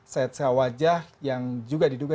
sketsa wajah yang juga diduga